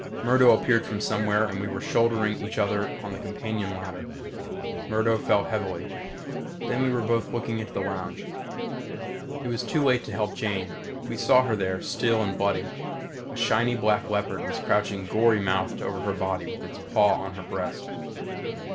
Murdo appeared from somewhere and we were shouldering each other on the companion ladder. Murdo fell heavily. Then we were both looking into the lounge. It was too late to help Jane. We saw her there, still and bloody. A shiny black leopard was crouching gory mouthed over her body with its paws on her breast.